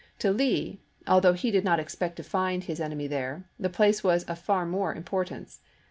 To Lee, although he did not expect to find his enemy there, the place was of far more importance.